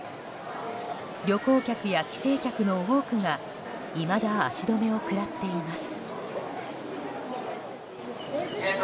旅行客や帰省客の多くがいまだ足止めを食らっています。